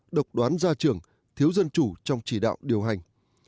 độc đoán gia trưởng thiếu dân chủ trong chỉ đạo điều hành